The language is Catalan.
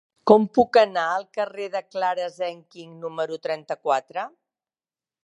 Com puc anar al carrer de Clara Zetkin número trenta-quatre?